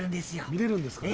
見れるんですかね？